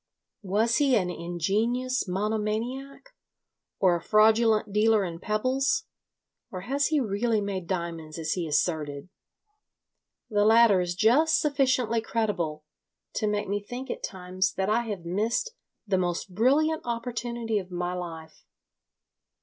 Was he an ingenious monomaniac, or a fraudulent dealer in pebbles, or has he really made diamonds as he asserted? The latter is just sufficiently credible to make me think at times that I have missed the most brilliant opportunity of my life.